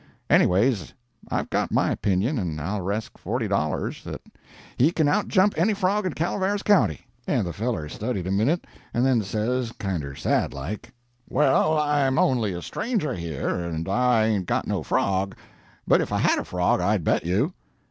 Anyways, I've got my opinion, and I'll resk forty dollars the he can outjump any frog in Calaveras County.' "And the feller studied a minute, and then says, kinder sad like, 'Well, I'm only a stranger here, and I ain't got no frog; but if I had a frog, I'd bet you.